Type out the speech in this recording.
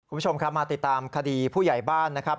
คุณผู้ชมครับมาติดตามคดีผู้ใหญ่บ้านนะครับ